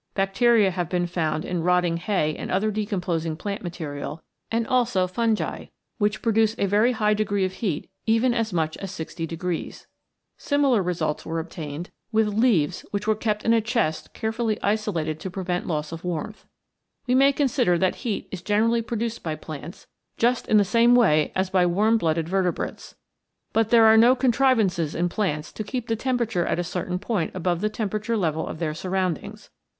Bacteria have been found in rotting hay and other decom posing plant material and also fungi, which pro duce a very high degree of heat even as much as 60 degrees. Similar results were obtained with 67 CHEMICAL PHENOMENA IN LIFE leaves which were kept in a chest carefully isolated to prevent loss of warmth. We may consider that heat is generally produced by plants, just in the same way as by warm blooded vertebrates. But there are no contrivances in plants to keep the temperature at a certain point above the tempera ture level of their surroundings.